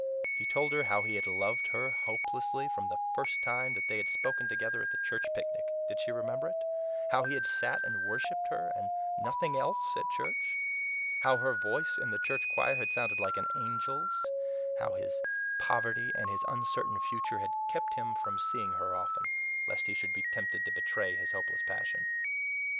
He told her how he had loved her hopelessly from the first time that they had spoken together at the church picnic. Did she remember it? How he had sat and worshiped her, and nothing else, at church! How her voice in the church choir had sounded like an angel's; how his poverty and his uncertain future had kept him from seeing her often, lest he should be tempted to betray his hopeless passion.